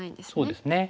そうですね。